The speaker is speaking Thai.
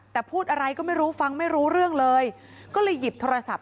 แต่พูดอะไรก็ไม่รู้ฟังไม่รู้เรื่องเลยก็เลยหยิบโทรศัพท์